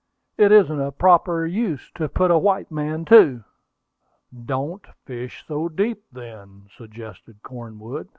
"It isn't a proper use to put a white man to." "Don't fish so deep, then," suggested Cornwood.